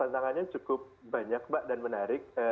tantangannya cukup banyak mbak dan menarik